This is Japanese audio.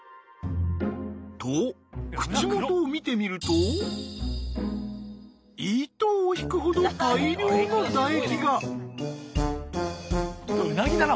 と口元を見てみると糸を引くほどこれ唾液。